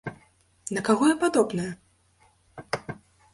На каго я падобная?